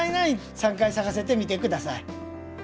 ３回咲かせてみて下さい。